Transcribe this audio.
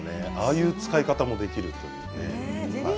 ああいう使い方もできるんですね。